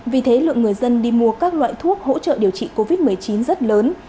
vì thế lượng người dân đi mua các loại thuốc hỗ trợ điều trị covid một mươi chín rất lớn